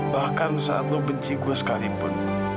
bahkan saat lo benci gue sekalipun